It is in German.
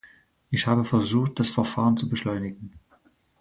Ich habe versucht, das Verfahren zu beschleunigen.